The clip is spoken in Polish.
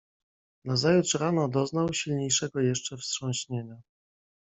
"Nazajutrz rano doznał silniejszego jeszcze wstrząśnienia."